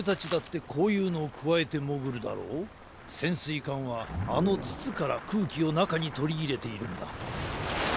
いかんはあのつつからくうきをなかにとりいれているんだ。